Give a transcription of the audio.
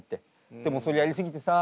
でもそれやりすぎてさ